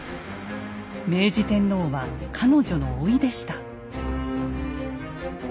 明治天皇は彼女のおいでした。